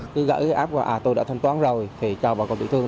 cứ gãi áp là tôi đã thanh toán rồi thì cho bà con tiểu thương